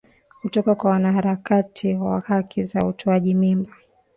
kutoka kwa wanaharakati wa haki za utoaji mimba